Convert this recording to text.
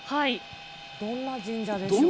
どんな神社でしょう。